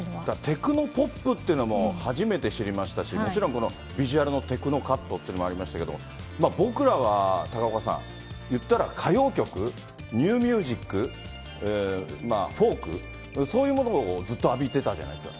テクノポップってのも初めて知りましたし、もちろんこのビジュアルのテクノカットというのもありましたけど、僕らは高岡さん、いったら歌謡曲、ニューミュージック、フォーク、そういうものをずっと浴びてたじゃないですか。